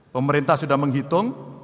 pemerintah sudah menghitung